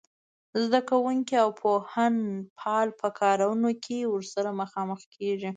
زده کوونکي او پوهنپال په کارونه کې ورسره مخ کېږي